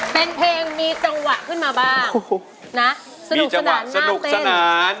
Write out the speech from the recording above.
เป็นเพลงมีจังหวะขึ้นมาบ้างนะสนุกสนานน่าเต้น